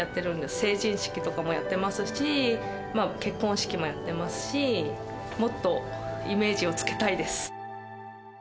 成人式とかもやってますし、結婚式もやってますし、もっとイメージをつけたいです。